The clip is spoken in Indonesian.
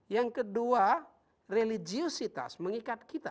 yang kedua religiositas mengikat kita